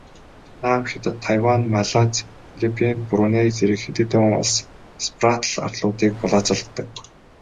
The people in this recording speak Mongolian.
Вьетнам, Хятад, Тайвань, Малайз, Филиппин, Бруней зэрэг хэд хэдэн улс Спратл арлуудыг булаацалддаг.